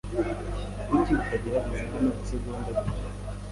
Kuki utategereza hano isegonda gusa?